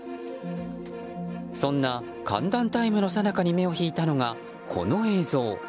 そんな歓談タイムのさなかに目を引いたのがこの映像。